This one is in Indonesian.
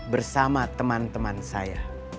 bersama teman teman saya